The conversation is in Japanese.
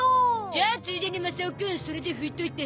じゃあついでにマサオくんそれで拭いといて。